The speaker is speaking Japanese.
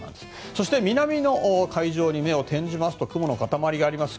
そして南の海上に目を転じますと雲の塊があります。